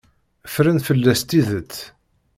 Ffren fell-as tidet.